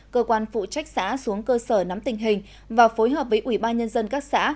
cơ quan phụ trách xã xuống cơ sở nắm tình hình và phối hợp với ủy ban nhân dân các xã